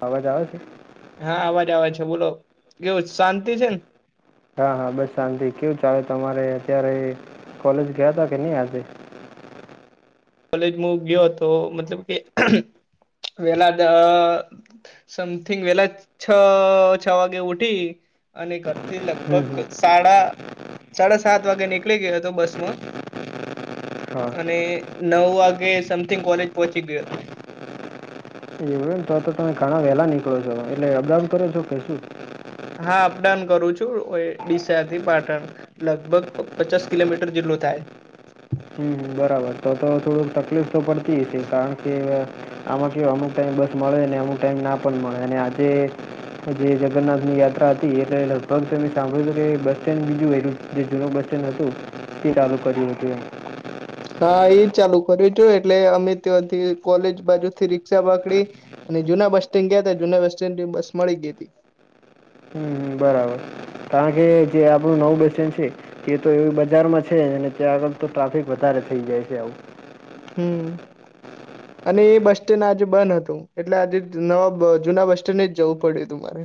અવાજ આવે છે. હા અવાજ અવાજ છે બોલો કેવું શાંતિ છે ને? હા હા બસ શાંતિ, કેવું ચાલે તમારે અત્યારે કોલેજ ગયા હતા કે નહીં આજ? કોલેજ મુ ગયો હતો મતલબ કે વેલા સમથિંગ વેલા છ છ વાગે ઉઠી અને કર થી હમ લગભગ હમ. સાડા સાડા સાત વાગે નીકળી ગયો હતો બસમાં. હા અને નવ વાગે સમથિંગ કોલેજ પહોંચી ગયો હતો. એવું તો તો તમે ઘણા વહેલા નીકળો છો, એટલે અપડાઉન કરો છો કે શું? હા અપડાઉન કરું છું, ડીસાથી પાટણ. લગભગ પચાસ કિલોમીટર જેટલું થાય. હમ બરાબર તો તો થોડુંક તકલીફ તો પડતીશે કારણ કે, આમાં કેવ અમુક ટાઈમ બસ મળેને અમુક ટાઈમ ના પણ મળે અને આજે જે જગન્નાથ ની યાત્રા હતી એટલે લગભગ તમે સાંભળો કે બસ સ્ટેન્ડ બીજું એ્યું જે જૂનું બસન હતું તે ચાલુ કર્યું હતું. હા એજ ચાલુ કરું છું એટલે અમે ત્યાંથી કોલેજ બાજુ થી રિક્ષા પકડી અને જુના બસસ્ટેન્ડ ગયા હતા, જુના બસ સ્ટેન્ડની બસ મળી ગઈતી. હ બરાબર, કારણ કે જે આપણું નવું બસ સ્ટેન્ડ છે તે તો એવી બજારમાં છે ને ત્યાં આગળ તો ટ્રાફિક વધારે થઈ જાય છે, આવું હમ. [inaudible] અને એ બસ સ્ટેન્ડ આજે બન હતું, એટલે આજે નવા જુના બસ સ્ટેન્ડ જ જવું પડ્યું હતું મારે.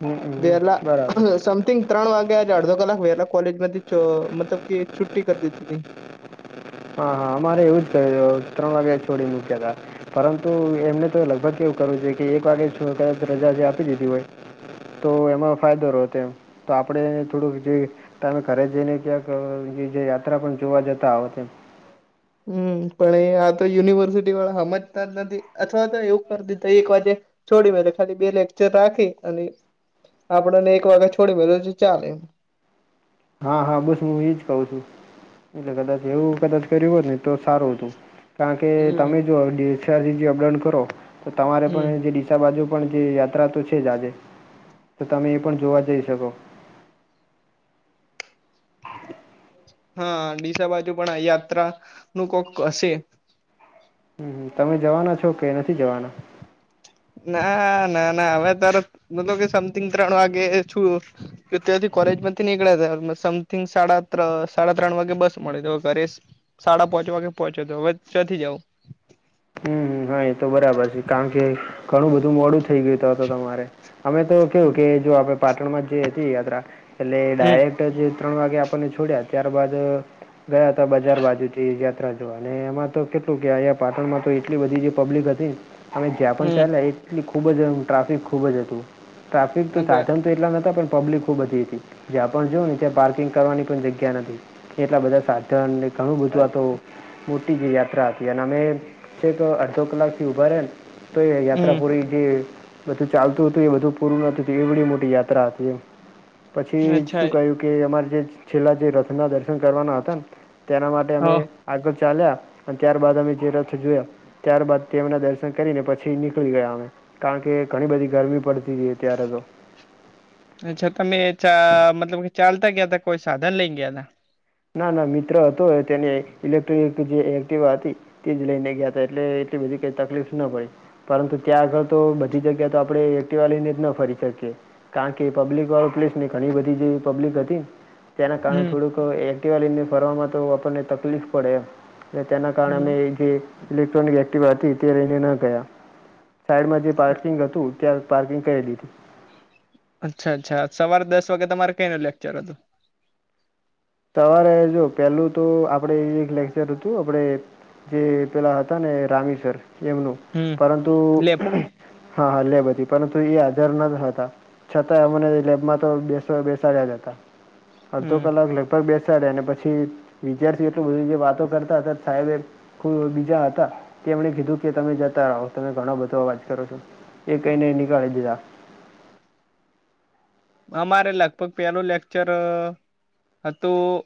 હમમ. વેલા બરાબર સમથિંગ. ત્રણ વાગ્યા આજે અડધો કલાક વેલા કોલેજ મતલબ કે છુટ્ટી કર દીધિતિ. હા હા અમારે એવું જ કર ત્રણ વાગ્યા છોડી મૂક્યાતા. પરંતુ એમને તો લગભગ કેવું કરું છે કે એક વાગે છું કદાચ રજા જે આપી દીધી હોય તો એમાં ફાયદો રહો તેમ તો આપડે થોડુંક જે તમે ઘરે જઈને ક્યાંક જે યાત્રા પણ જોવા જતા આવત એમ હમ પણ એ આ તો યુનિવર્સિટીવાળા સમજતા જ નથી અથવા તો એવું કરતી એક વાજે છોડી મેરે, ખાલી બે લેકચર રાખી અને આપણને એક વાગ ત છોડી મેલે તો ચાલે. હા હા બસ હું એજ કઉ છું, એટલે કદાચ એવું કદાચ કર્યું હોત ને તો સારું હતું. કારણ કે હમ તમે જો ડીસાથી અપડાઉન કરો તો તમારે હમ પણ જે બા બાજુ પણ જે યાત્રા તો છે જ આજે તો તમે એ પણ જોવા જઈ શકો. હા ડીસા બાજુ પણ આ યાત્રા નું કોક હશે. હમ તમે જવાના છો કે નથી જવાના? ના ના ના હવે ત્યારે મતલબ કે સમથિંગ ત્રણ વાગે છું કે ત્યાંથી કોલેજમાંથી નીકળ્યા જ સમથિંગ સાડા સાડા ત્રણ વાગે બસ મળે તો ઘરે સાડા પાંચ વાગે પહોંચ્યો હતો હવે ચયથી જઉ. હમ હમ હા એ તો બરાબર છે, કારણ કે ઘણું બધું મોડું થઇ ગયું તો હત તમારે. અમે તો કેવું કે જો આપે પાટણ માં જે હતી યાત્રા એટલે હમ ડાયરેક્ટ જે ત્રણ વાગે આપણને છોડ્યા ત્યારબાદ ગયા હતા બજાર બાજુથી યાત્રા જોવા અને એમાં તો કેટલું કે અહીયા પાટણમાં તો એટલી બધી જે પબ્લિક હતી અમે જ્યાં પણ હમ ચાલેયા એટલી ખૂબ જ ટ્રાફિક ખૂબ જ હતું. ટ્રાફિક તો સાધન એટલાતા પણ પબ્લિક ખુબ બધી હતી, જ્યાં પણ જો ને ત્યાં પાર્કિંગ કરવાની પણ જગ્યા નથી. એટલા બધા સાચ ઘણું બધું તો મોટી જે યાત્રા હતી અને અમે છે દ કલાક થી ઊભા રહ્યા તો યાત્રા હમ પૂરી બધું ચાલતું હતું એ બધું પૂરું નતું હતું એ બી મોટી યાત્રા હતી એમ. પછી અચ્છા શું કહ્યું કે અમારે જે છેલ્લા જે રથના દર્શન કરવાના હતા ને. તેના માટે અમે હા આગળ ચાલ્યા અને ત્યારબાદ અમે જે રથ જોયા. ત્યારબાદ તેના દર્શન કરીને પછી નીકળી ગયા અમે. કારણ કે ઘણી બધી ગરમી પડતી હતી અત્યારે તો. અચ્છા તમેં ચા મતલબ કે ચાલતા કયા ત કોઈ સાધન લઈ ગયા ત ના ના મિત્ર હતો તેને ઇલેક્ટ્રિક જે એક્ટવા હતી. તેજ લઈને ગયા હતા એટલે એટલી બધી કઈ તકલીફ ના પડી. પરંતુ ત્યાં આગળ તો બધી જગ્યા તો આપડણે એક્ટિવાલીને જ ન ફરી શકીએ. કારણ કે પબ્લિક વાળો પ્લેસ ને ઘણી બધી જે પબ્લિક હતી. તેના કારણે હમ થોડુંક એક્ટિવાલીને ફરવામાં તો આપણને તકલીફ પડેમ. તેના કારણે હમ અમે જે ઇલેક્ટ્રોનિક એક્ટિવ હતી તે રહીને ના ગયા. સાઈડમાં જે પાર્કિંગ હતું ત્યાં પાર્કિંગ કરેલીધું. અચ્છા અચ્છા સવારે દસ વાગે તમારે કઈ નું લેક્ચર હતું. સવારે જો પેલું તો આપડે એક લેક્ચર હતું આપડે. જે પેલા હતા ને રામસર એમનું હમ પરંતુ. લેબ હા હાલે બધી પરંતુ એ આધર ન હતા. છતાં અમને લેબમાં તો બેસ બેસાડ્યા જ હતા હમ અડધો કલાક લે પર બેસાડ્યા ને પછી વિદ્યાર્થી એટલો બધો જે વાતો કરતાં હતા સાહેબે. કો બીજા હતા તેમણે કીધું કે તમે જતા આવો તમે ઘણો બધો અવાજ કરો છો. એક કને નીકાલે દીધા. અમારે લગભગ પેલું લેક્ચર હતું.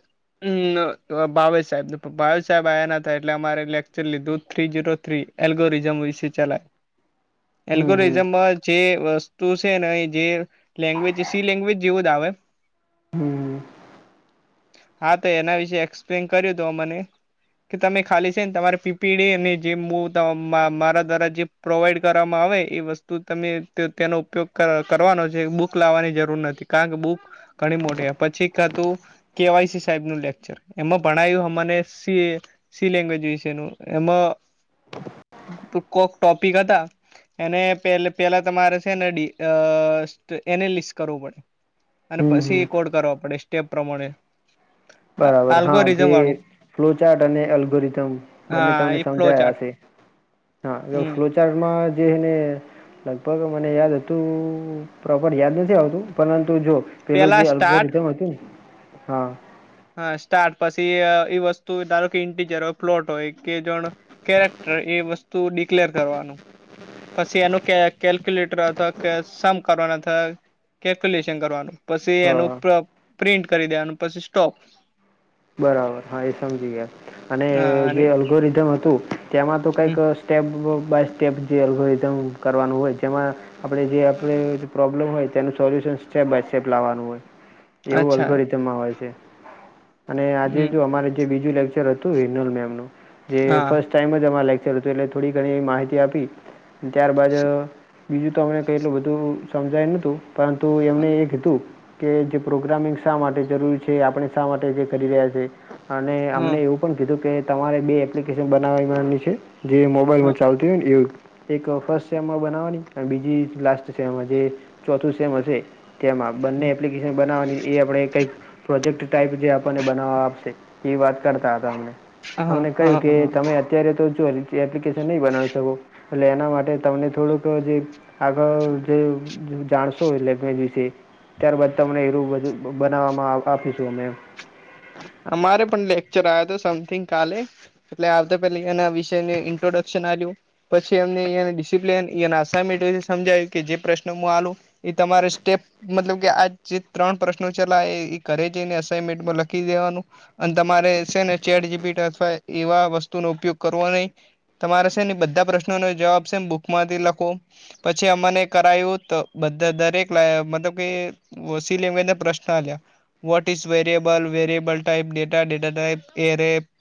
હમ ભાવેશ સાહેબ ભાવેશ સાહેબ આવ્યા ના હતા એટલે અમારે લેક્ચર લીધું થ્રી ઝીરો થ્રી. એલ્ગોરિઝમ વિ. સી ચલાય. હમ હમ એલ્ગોરિઝમ માં જે વસ્તુ છે ને જે લેંગ્વેજ. સી લેંગ્વેજ જેવો જ આવે. હમ હ હા તો એના વિશે એક્સપ્લેન કરીદો દો મને. કે તમે ખાલી છે ને તમારે પીપીડેને જે મુ દો મ મારા દ્વારા જે પ્રોવાઈડ કરવામાં આવે એ વસ્તુ તમે ત તેનો ઉપયોગ ક કરવાનો છે બુક બુક લાવવાની જરૂર નથી કારણ કે બુક ઘણી મોટી પછી કા તું. કેવાયસી સાહેબ નું લેક્ચર એમાં ભણાયું અમાને સે. સી લેંગ્વેજ વિશે ન એમાં કોક ટોપિક હતા. એને પે પેલા તમારે છે ને ડી અ સ તો એનલિસ કરવું પડે અને હમ પછી હમ રીપોર્ટ કરવો પડે સ્ટેપ પ્રમાણે. બરાબર હા આલ્ગોરિઝમ જે વાળું ફ્લોચાર્ટ અને એલ્ગોરિઝમ બંને હા તમને એ ફ્લો સમજાયા ચાર્ટ હશે. હા હમ ફ્લોચાર માં જેને લગભગ મને યાદ હતું પ્રોપર યાદ નથી આવતું પરંતુ જો. પેલું પેલા જે સ્ટાર્ટ અલ્ગોરિઝમ હતું ને હા. હા સ્ટાર્ટ પછી એ વસ્તુ ધારો કે ઇન્ટીજર હોય પ્લોટ હોય કે જોણ કેરેક્ટર એ વસ્તુ ડિક્લેર કરવાનું પછી એનું ક કેલ્ક્યુલેટર અથવા સમ કરના થ અથવા કેલ્ક્યુલેશન કરવાનું પછી એનું હા પ પ્રિન્ટ કરી દેનું પછી સ્ટોપ બરાબર હા એ સમજી ગયા અને હા અને જે અલ્ગોરિધમ હતું તેમાં તો કઈક હમ સ્ટેપ બાય સ્ટેપ જે અલ્ગોરિઝમ કરવાનું હોય, જેમાં આપણે જે આપે પ્રોબ્લેમ હોય, તેનું સોલ્યુશન સ્ટેપ બાય સ્ટેપ લાવવાનું હોય. એવું અલગ અચ્છા રીતે મા આવેય છે. અને આજે હમ જો અમારે જે બીજું લેક્ચર હતું હિનલ મેમનું જે હા ફસ્ટ ટાઈમ જ અમા લેક્ચર હતું એટલે થોડી ઘણી એવી માહિતી આપી. ત્યારબાદ બીજું તો અમને કઈ એટલું બધું સમજાય નતું પરંતુ એમણે એ કીધું કે જે પ્રોગ્રામિંગ શા માટે જરૂરી છે. આપણે શા માટે કે કરી રહ્યા છે, અને હ અમને એવું પણ કીધું કે, તમારે બે એપ્લિકેશન બનાવવાની છે. જે મોબાઈલમાં ચાલતી હોય ને, એ એક ફાસ્ટ સમમાં બનાવવાની. બીજી લાસ્ટ સેમ, જે ચોથું સેમ હશે, તેમાં બંને એપ્લિકેશન બનાવાની, એ આપણે કંઈક પ્રોજેક્ટ ટાઈપ, જે આપને બનાવવા આપશે. એ વાત કરતા હતા. હ હ અમને કહ્યું હ કે, હ તમે અત્યારે તો જો એપ્લિકેશન નહીં બનાવી શકો, એટલે એના માટે તમને થોડુંક જે આગળ જે જાણશો, એટલે મે વિશે ત્યારબાદ તમને એરુ બધું બનાવવામાં આપીશું અમે. અમારે પણ લેક્ચર આયો તો. સમથિંગ કાલે એટલે આવે, તો પેને એના વિષયને ઇન્ટ્રોડક્શન હાજુ. પછી એમનેને ડિસિપ્લન સમજાયું કે જે પ્રશ્ન હાલું એ તમારે સ્ટેપ, મતલબ કે આ જે ત્રણ પ્રશ્નો છેલ્લા એ કરે છેને, અસાઇનમેન્ટમાં લખી. મૂકી દેવાનું. અને તમારે છે ને, ચેટ જીપીટી અથવા એવા વસ્તુ નો ઉપયોગ કરવો નહીં. તમારે છે ને, બધા પ્રશ્નોનો જવાબ છે બુકમાંથી લખો. પછી અમને કરાયું, તો બધા દરેક લાઈન, મતલબ કે સી લે ને, પ્રશ્નો આલિયા what is variable? Variable, time data time. [unintelligible]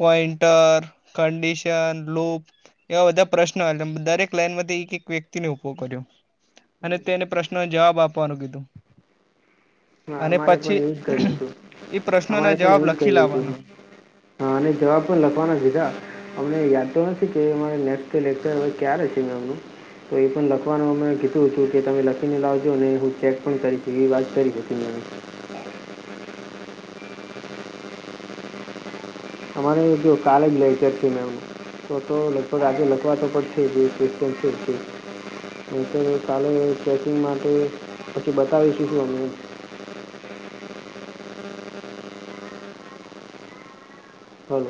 Pointer, condition, loop. એવા બધા પ્રશ્ન, દરેક લાઈનમાંથી એક-એક વ્યક્તિને ઉભો કર્યો. અને તેને પ્રશ્નને જવાબ આપવાનું કીધું. હા, અને અમારે પણ પછી એજ કર્યું હતું. એ અમારે પ્રશ્નોના પણ જવાબ એવું જ લખી કર્યું હતું લાવવાના હ. હા, અને જવાબ પણ લખવાના સીધા. અમને યાદ તો નથી કે અમારેને લેક્ચર કયારે હોય આવું. તો એ પણ લખવાનું. અને કીધું છું કે, તમે લખીને લાવજો ને, હું ચેક પણ કરી, એવી વાત કરી. મેમે અમારે જો કાલેજ લેક્ચર છે મેમ. તો તો લગભગ આજે લખવા તો પણ છે. હ, તો કાલે ચેકિંગ માટે પછી બતાવીશું અમે. હ.